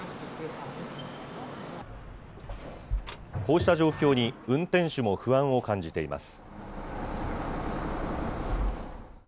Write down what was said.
こうした状況に、運転手も不安を感じています。